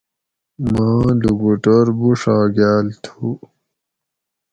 ماں لُکُٹور بوڛاگاۤل تھُو